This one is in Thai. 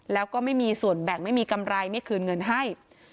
แล้วก็ไม่มีส่วนแบ่งไม่มีกำไรไม่คืนเงินให้